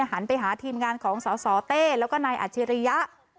หันไปหาทีมงานของสสเต้แล้วก็นายอัจฉริยะ